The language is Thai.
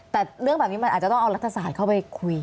แต่เรื่องแบบนี้มันอาจจะต้องเอารัฐศาสตร์เข้าไปคุย